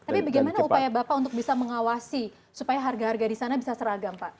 tapi bagaimana upaya bapak untuk bisa mengawasi supaya harga harga di sana bisa seragam pak